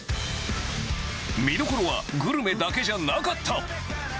見どころは、グルメだけじゃなかった。